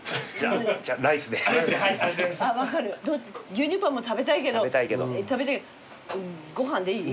牛乳パンも食べたいけどご飯でいい？